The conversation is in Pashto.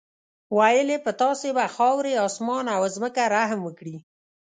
ویل یې په تاسې به خاورې، اسمان او ځمکه رحم وکړي.